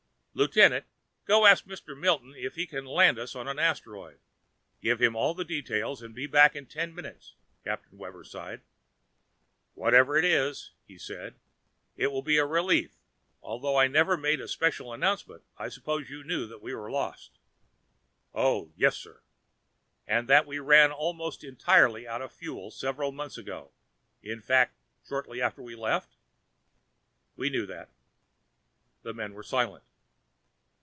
"Lieutenant, go ask Mr. Milton if he can land us on an asteroid. Give him all the details and be back in ten minutes." Captain Webber sighed. "Whatever it is," he said, "it will be a relief. Although I never made a special announcement, I suppose you knew that we were lost." "Oh yes, sir." "And that we ran almost entirely out of fuel several months ago, in fact shortly after we left?" "We knew that." The men were silent.